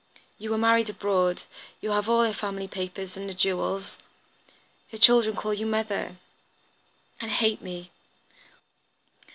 You were married abroad, you have all her family papers and her jewels. Her children call you mother." "And hate me!"